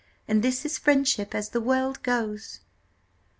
And this is friendship, as the world goes!"